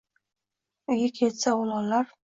Uyga kelsa o‘g‘lonlar